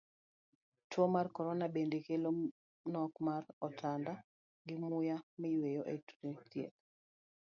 Tuo mar korona bende kelo nok mar otanda gi muya miyueyo e ute dhieth